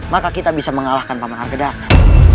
maka kita bisa mengalahkan paman arkedaka